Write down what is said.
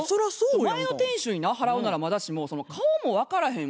前の店主にな払うならまだしも顔も分からへん